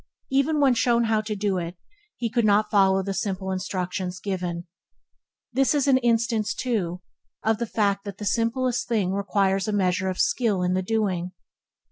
Even when shown how to do it, he could not follow the simple instructions given. This is an instance, too, of the fact that the simplest thing requires a measure of skill in the doing.